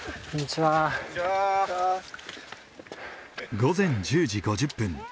午前１０時５０分。